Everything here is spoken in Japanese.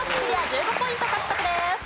１５ポイント獲得です。